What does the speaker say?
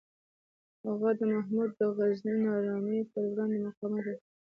هغه د محمود غزنوي نارامیو پر وړاندې مقاومت وکړ.